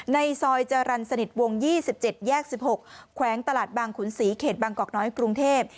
ในซอยจรรย์สนิทวง๒๗แยก๑๖แขวงตลาดบางขุนศรีเขตบางกอกน้อยกรุงเทพ